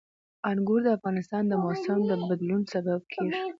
انګور د افغانستان د موسم د بدلون سبب کېږي.